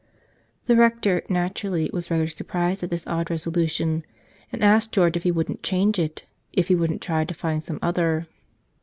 The Rector, naturally, was rather surprised at this odd resolution and asked George if he wouldn't change it, if he wouldn't try to find some other.